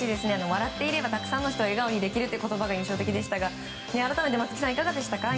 笑っていればたくさんの人を笑顔にできるという言葉が印象的でしたが、改めて松木さんいかがでしたか？